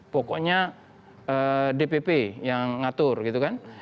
pokoknya dpp yang ngatur gitu kan